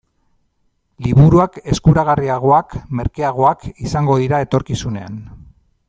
Liburuak eskuragarriagoak, merkeagoak, izango dira etorkizunean.